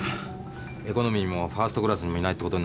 「エコノミーにもファーストクラスにもいない」ってことになると。